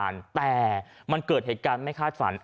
ร่วมการทำด้วย